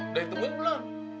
udah ditemuin belum